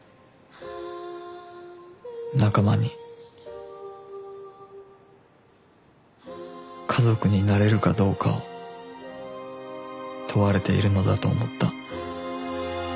仲間に家族になれるかどうかを問われているのだと思った